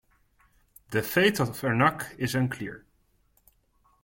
The fate of Ernak is unclear.